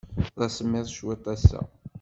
D asemmiḍ cwiṭ ass-a.